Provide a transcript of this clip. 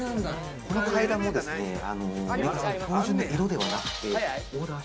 この階段もメーカーさん、標準の色ではなくて。